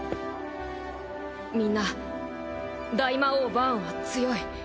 みんな大魔王バーンは強い。